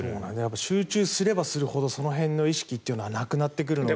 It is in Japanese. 集中すればするほどその辺の意識っていうのはなくなってくるので。